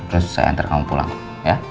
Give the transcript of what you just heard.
terus saya entar kamu pulang ya